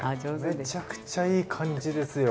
めちゃくちゃいい感じですよ。